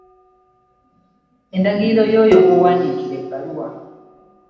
Endagiriro y'oyo gw'owandiikira ebbaluwa.